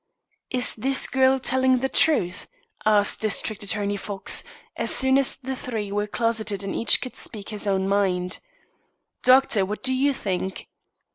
"Is this girl telling the truth?" asked District Attorney Fox, as soon as the three were closeted and each could speak his own mind. "Doctor, what do you think?"